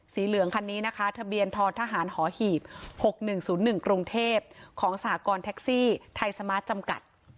เหลืองคันนี้นะคะทะเบียนททหารหอหีบ๖๑๐๑กรุงเทพของสหกรณ์แท็กซี่ไทยสมาร์ทจำกัด